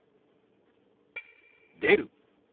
「出る」。